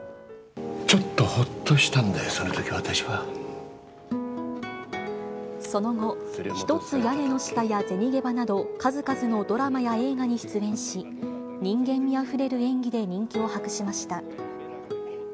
ちょっとほっとしたんだよ、その後、ひとつ屋根の下や、銭ゲバなど、数々のドラマや映画に出演し、人間味あふれる演技で人気を博しました。